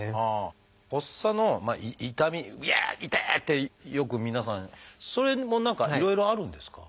発作の痛み「痛い！」ってよく皆さんそれも何かいろいろあるんですか？